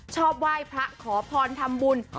ชอบว่ายพระขอพรทำบุญ